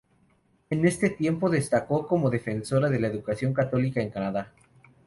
En este tiempo destacó como defensora de la educación católica en Canadá.